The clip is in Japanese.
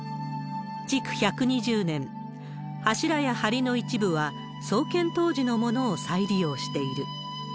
築１２０年、柱や梁の一部は創建当時のものを再利用している。